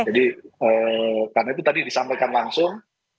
jadi karena itu tadi disampaikan langsung